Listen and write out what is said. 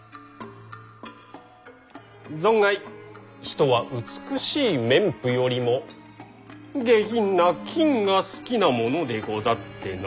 存外人は美しい綿布よりも下品な金が好きなものでござってなあ。